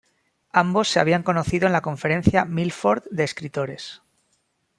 Ambos se habían conocido en la conferencia Milford de escritores.